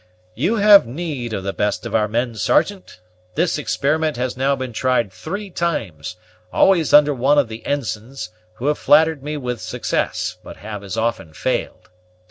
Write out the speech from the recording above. "You have need of the best of our men, Sergeant. This experiment has now been tried three times; always under one of the ensigns, who have flattered me with success, but have as often failed.